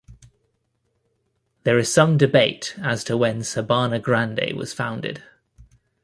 There is some debate as to when Sabana Grande was founded.